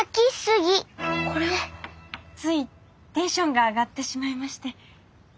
これはついテンションが上がってしまいまして。